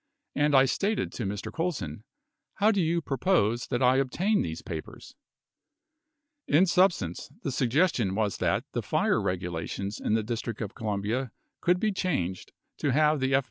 And I stated to Mr. Colson, how do you propose that I obtain these papers ?... In substance, the suggestion was that the fire regulations in the District of Columbia could be changed to have the F.